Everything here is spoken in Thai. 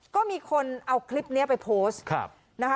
ก็มีคนเอาคลิปนี้ไปโพสต์นะคะ